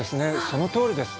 そのとおりです。